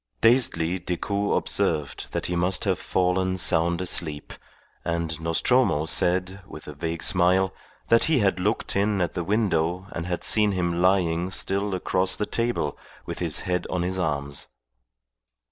Dazedly Decoud observed that he must have fallen sound asleep, and Nostromo said, with a vague smile, that he had looked in at the window and had seen him lying still across the table with his head on his arms.